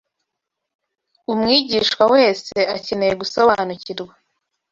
Umwigishwa wese akeneye gusobanukirwa